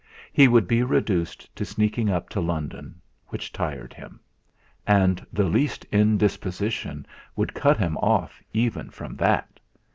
He would be reduced to sneaking up to London, which tired him; and the least indisposition would cut him off even from that.